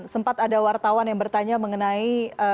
sempat ada wartawan yang bertanya mengenai